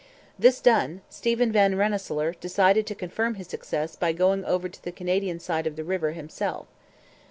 This done, Stephen Van Rensselaer decided to confirm his success by going over to the Canadian side of the river himself.